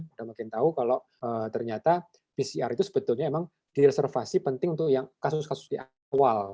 sudah makin tahu kalau ternyata pcr itu sebetulnya emang direservasi penting untuk kasus kasus yang aktual